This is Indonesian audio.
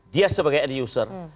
dia sebagai ad user